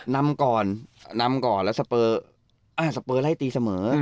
นำก่อนนำก่อนแล้วสเปอร์ไล่ตีเสมอ